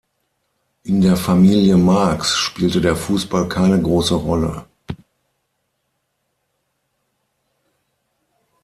In der Familie Marx spielte der Fußball keine große Rolle.